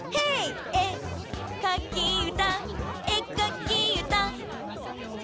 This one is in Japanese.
「えかきうたえかきうた」